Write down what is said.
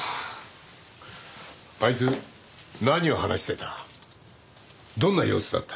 あいつ何を話してた？